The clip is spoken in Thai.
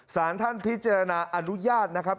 สารท่านพิจารณาอนุญาตนะครับ